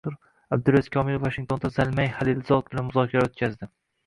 Abdulaziz Komilov Vashingtonda Zalmay Xalilzod bilan muzokaralar o‘tkazdi